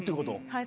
はい。